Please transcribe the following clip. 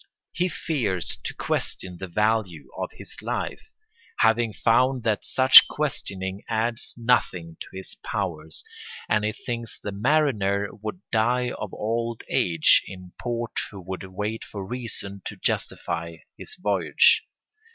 He fears to question the value of his life, having found that such questioning adds nothing to his powers; and he thinks the mariner would die of old age in port who should wait for reason to justify his voyage.